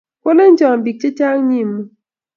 kolecho bik chichang nyimuny